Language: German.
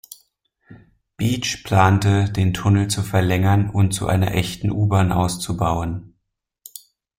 Beach plante, den Tunnel zu verlängern und zu einer echten U-Bahn auszubauen.